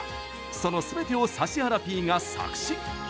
そのすべてを、指原Ｐが作詞。